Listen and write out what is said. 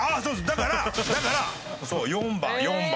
だからだからそう４番４番。